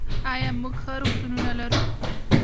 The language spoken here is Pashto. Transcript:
آیا موږ ښه روغتونونه لرو؟